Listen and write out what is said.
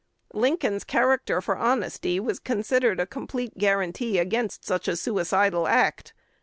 Lincoln's character for honesty was considered a complete guaranty against such a suicidal act.